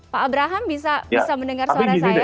pak abraham bisa mendengar suara saya